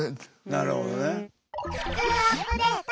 なるほどね。